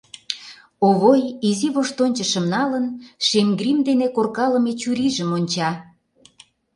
Овой, изи воштончышым налын, шем грим дене коркалыме чурийжым онча.